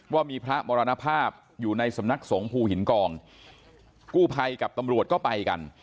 ว่ามีพระมรณภาพอยู่ในสำนักสงภูหินกองกู้ภัยกับตำรวจก็ไปกัน